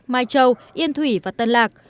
mai châu yên thủy và tân lạc